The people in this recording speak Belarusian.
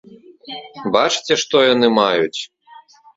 Бачыце, што яны маюць!